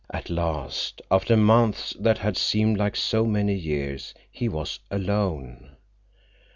At last, after months that had seemed like so many years, he was alone.